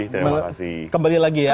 supaya bisa kembali lagi ya